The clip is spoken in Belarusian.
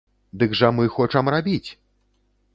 Дык жа мы хочам рабіць!